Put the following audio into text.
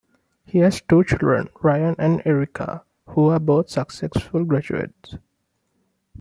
He has two children, Ryan and Ericka who are both successful graduates.